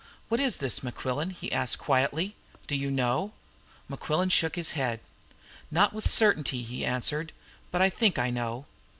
"What is this, Mequillen?" he asked quietly. "Do you know?" Mequillen shook his head. "Not with certainty," he answered. "But I think I know.